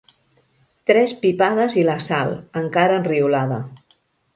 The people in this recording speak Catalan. Tres pipades i la Sal, encara enriolada.